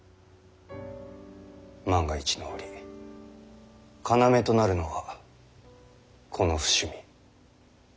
万が一の折要となるのはこの伏見。